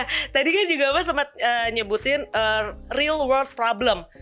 nah tadi kan juga mas sempat nyebutin real world problem